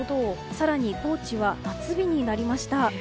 更に高知は夏日になりました。